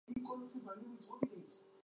Carlson rides Indian motorcycles.